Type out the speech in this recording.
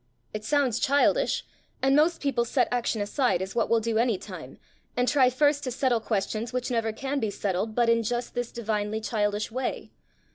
It sounds childish; and most people set action aside as what will do any time, and try first to settle questions which never can be settled but in just this divinely childish way.